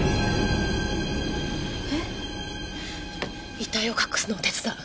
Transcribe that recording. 遺体を隠すのを手伝う。